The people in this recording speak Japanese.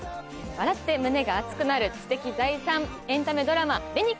笑って胸が熱くなる知的財産エンタメドラマ。